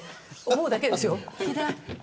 思うだけですよ。